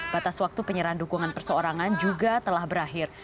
batas waktu penyerahan dukungan perseorangan juga telah berakhir